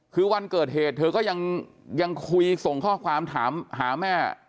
คือวันเกิดเหตุเธอก็ยังคุยส่งข้อความถามหาแม่